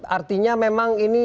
artinya memang ini